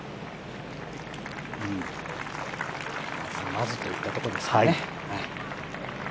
まずまずといったところですかね。